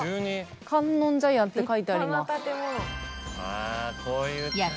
観音茶屋って書いてあります。